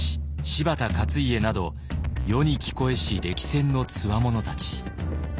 柴田勝家など世に聞こえし歴戦のつわものたち。